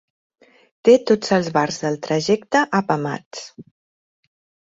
Té tots els bars del trajecte apamats.